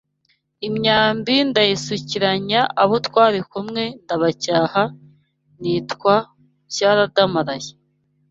Imyambi ndayisukiranya abo twari kumwe ndabacyaha nitwa Cyaradamaraye